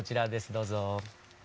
どうぞ。